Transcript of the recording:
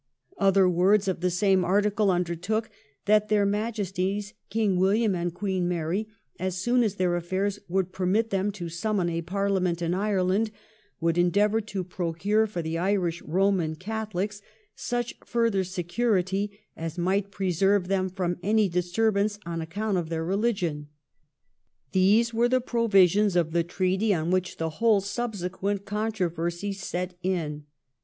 Other words of the same article undertook that their Majesties King William and Queen Mary, as soon as their affairs would permit them to summon a Parlia ment in Ireland, would endeavour to procure for the Irish Eoman Catholics such further security as might preserve them from any disturbance on account of their religion. These were the provisions of the treaty on which the whole subsequent controversy set in.